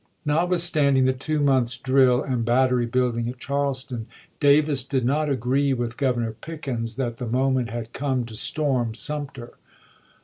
Notwithstanding the two months' drill and battery building at Charleston, Davis did not agree with Governor Pickens that the moment had come to storm Sumter.